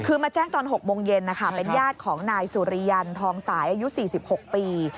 คือมาแจ้งตอน๖โมงเย็นนะคะเป็นญาติของนายสุริยันทองสายอายุ๔๖ปี